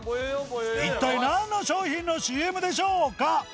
一体なんの商品の ＣＭ でしょうか？